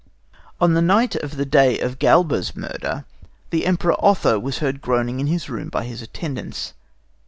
On the night of the day of Galba's murder, the Emperor Otho was heard groaning in his room by his attendants.